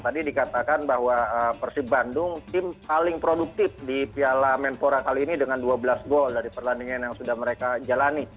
tadi dikatakan bahwa persib bandung tim paling produktif di piala menpora kali ini dengan dua belas gol dari pertandingan yang sudah mereka jalani